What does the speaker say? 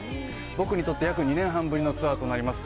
僕にとって、約２年半ぶりのツアーとなります。